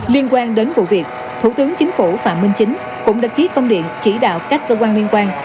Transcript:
liên quan đến vụ việc thủ tướng chính phủ phạm minh chính cũng đã ký công điện chỉ đạo các cơ quan liên quan